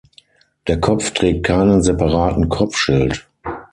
Der Kopf trägt keinen separaten Kopfschild.